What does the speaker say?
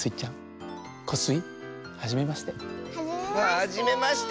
はじめまして。